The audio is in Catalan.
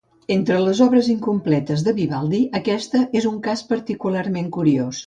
Entre les obres incompletes de Vivaldi aquesta és un cas particularment curiós.